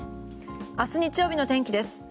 明日日曜日の天気です。